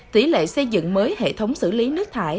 tỷ lệ xây dựng mới hệ thống xử lý nước thải